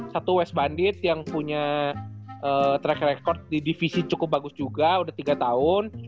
satu west bandit yang punya track record di divisi cukup bagus juga udah tiga tahun